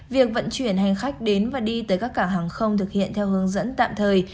việc vận chuyển hành khách đến và đi tới các cảng hàng không thực hiện theo hướng dẫn tạm thời